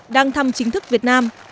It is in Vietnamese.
đang thăm chính thức việt nam